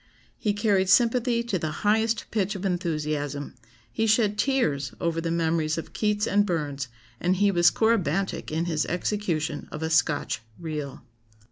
He carried sympathy to the highest pitch of enthusiasm; he shed tears over the memories of Keats and Burns, and he was corybantic in his execution of a Scotch 'reel.